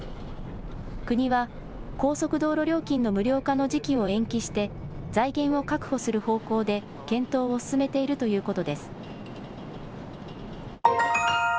国は高速道路料金の無料化の時期を延期して財源を確保する方向で検討を進めているということです。